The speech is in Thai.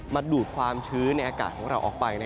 มาดูดความชื้นในอากาศของเราออกไป